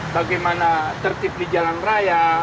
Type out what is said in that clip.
bagaimana tertib di jalan raya